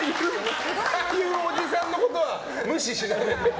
ああいうおじさんのことは無視してね。